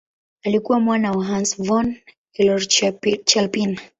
Alikuwa mwana wa Hans von Euler-Chelpin.